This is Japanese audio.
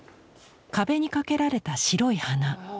壁に掛けられた白い花